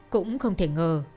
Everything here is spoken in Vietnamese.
cũng không thể ngờ